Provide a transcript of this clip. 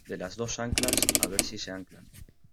de las dos anclas, a ver si se anclan.